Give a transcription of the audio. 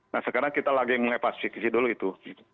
nah sekarang kita lagi mengepas fiksi dulu itu